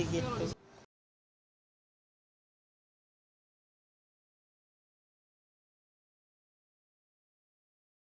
kalau di luar paling sering orang beli